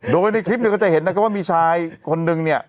โดยในคลิปเนี่ยก็จะเห็นนะครับว่ามีชายคนนึงเนี่ย